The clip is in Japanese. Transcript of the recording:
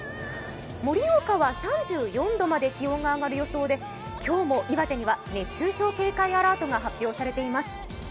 盛岡は３４度まで気温が上がる予想で今日も岩手には熱中症警戒アラートが発表されています。